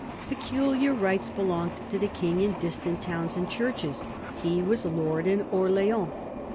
Peculiar rights belonged to the king in distant towns and churches. He was lord in Orleans.